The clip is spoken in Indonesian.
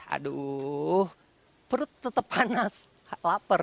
aduh perut tetap panas lapar